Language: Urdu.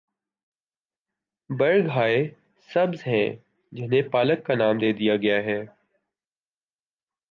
برگ ہائے سبز ہیں جنہیں پالک کا نام دے دیا گیا ہے۔